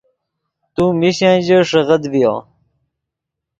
تو میشن ژے ݰیکڑغیت ڤیو